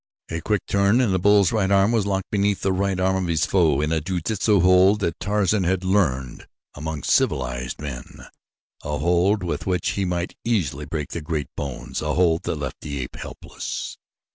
A quick turn and the bull's right arm was locked beneath the right arm of his foe in a jujutsu hold that Tarzan had learned among civilized men a hold with which he might easily break the great bones, a hold that left the ape helpless.